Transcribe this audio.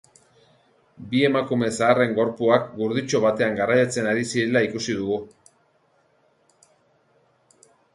Bi emakume zaharren gorpuak gurditxo batean garraiatzen ari zirela ikusi dugu.